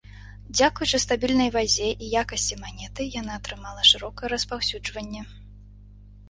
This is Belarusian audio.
Дзякуючы стабільнай вазе і якасці манеты, яна атрымала шырокае распаўсюджванне.